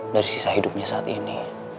dari sisa hidupnya saat ini